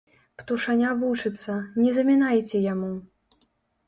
Птушаня вучыцца, не замінайце яму!